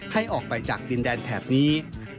ให้ออกไปจากดินแดนแถบนี้